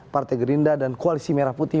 partai gerindra dan koalisi merah putih